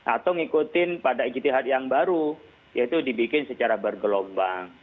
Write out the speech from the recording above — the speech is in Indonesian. atau ngikutin pada ijtihad yang baru yaitu dibikin secara bergelombang